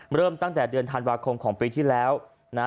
เริ่มตั้งแต่เดือนธันวาคมของปีที่แล้วนะฮะ